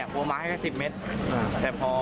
พวกมันมาให้ก็๑๐เมตร